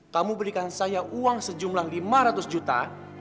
kamu berikan saya uang sejumlah lima ratus juta